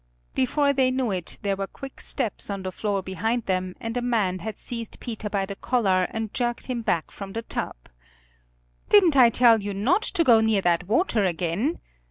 Before they knew it there were quick steps on the floor behind them and a man had seized Peter by the collar and jerked him back from the tub. "Didn't I tell you not to go near that water again?"